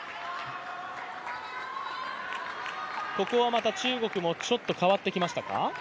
ここはまた中国もちょっと変わってきましたか？